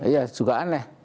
belum pernah ya juga aneh